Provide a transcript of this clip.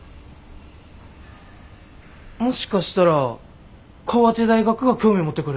もしかしたら河内大学が興味持ってくれるかも。え？